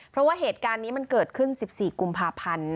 เพราะว่าเหตุการณ์นี้มันเกิดขึ้น๑๔กุมภาพันธ์